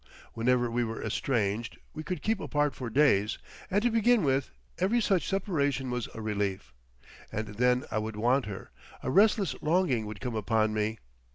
Whenever we were estranged we could keep apart for days; and to begin with, every such separation was a relief. And then I would want her; a restless longing would come upon me.